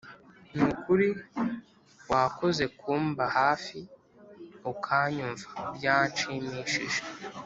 Nukuri wakoze kumba hafi ukanyumva byanshimishije